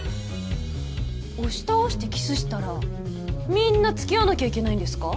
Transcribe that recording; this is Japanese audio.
押し倒してキスしたらみんな付き合わなきゃいけないんですか？